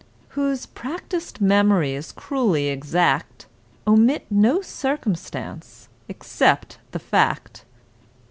Whose practised memories, cruelly exact, Omit no circumstance, except the fact!